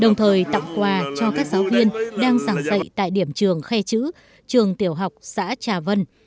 đồng thời tặng quà cho các giáo viên đang giảng dạy tại điểm trường khe chữ trường tiểu học xã trà vân